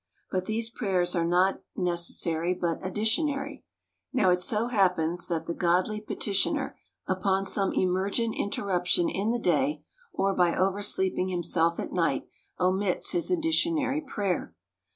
But these prayers are not necessary, but addilionary. Now it so happens, that the godly petitioner, upon some emergent interruption in the day, or by oversleeping himself at night, omits his addi(ionary prayer.